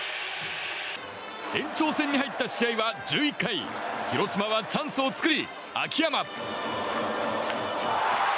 延長戦に入った試合は１１回広島がチャンスを作り、秋山。